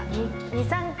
２３回？